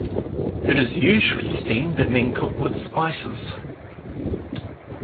It is usually steamed and then cooked with spices.